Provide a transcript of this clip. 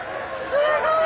すごい！